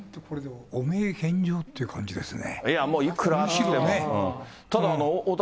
汚名返上という感じですね。